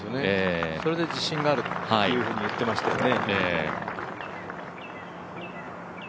それで自信があると言ってましたよね。